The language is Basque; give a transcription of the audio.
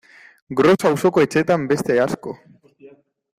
Gros auzoko etxeetan beste asko.